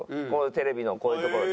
テレビのこういうところで。